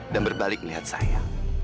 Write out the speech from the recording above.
dan berbalik melihat saya